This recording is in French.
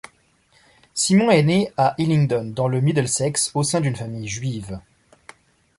Simon est né à Hillingdon dans le Middlesex au sein d'une famille juive.